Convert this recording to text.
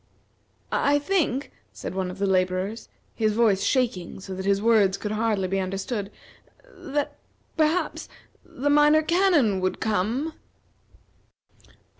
"I think," said one of the laborers, his voice shaking so that his words could hardly be understood, "that perhaps the Minor Canon would come."